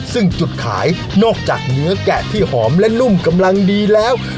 ซึ่งจุดขายนอกจากเนื้อแกะที่หอมและนุ่มกำลังดีแล้ว